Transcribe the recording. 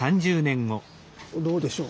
どうでしょう？